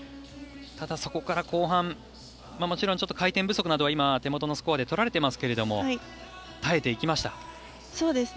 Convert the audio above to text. そこから後半もちろん回転不足などは手元のスコアで取られてますけれども耐えていきました。